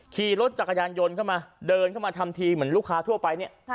ขี่รถจักรยานยนต์เข้ามาเดินเข้ามาทำทีเหมือนลูกค้าทั่วไปเนี่ย